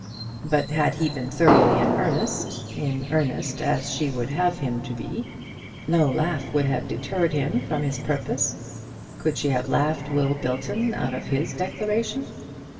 But had he been thoroughly in earnest, in earnest as she would have him to be, no laugh would have deterred him from his purpose. Could she have laughed Will Belton out of his declaration?